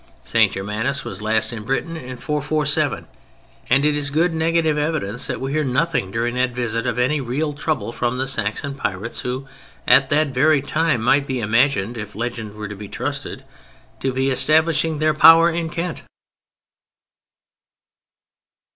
St. Germanus was last in Britain in 447, and it is good negative evidence that we hear nothing during that visit of any real trouble from the Saxon pirates who at that very time might be imagined, if legend were to be trusted, to be establishing their power in Kent.